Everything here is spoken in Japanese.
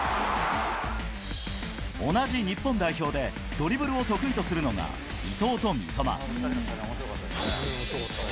同じ日本代表でドリブルを得意とするのが伊東と三笘。